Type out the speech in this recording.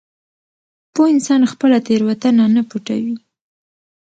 پوه انسان خپله تېروتنه نه پټوي.